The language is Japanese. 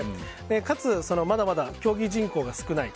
かつ、まだまだ競技人口が少ない。